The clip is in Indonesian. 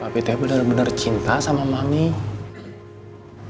bapak benar benar cinta sama hatiku